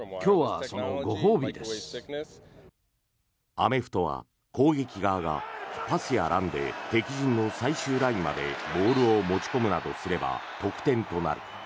アメフトは攻撃側がパスやランで敵陣の最終ラインまでボールを持ち込むなどすれば得点となる。